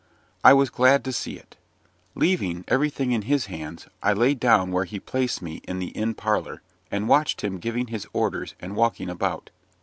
I was glad to see it; leaving everything in his hands, I lay down where he placed me in the inn parlour, and watched him giving his orders and walking about.